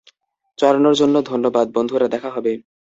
চড়ানোর জন্য ধন্যবাদ, বন্ধুরা, দেখা হবে।